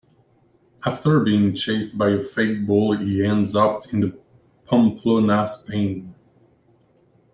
After being chased by a fake bull he ends up in Pamplona, Spain.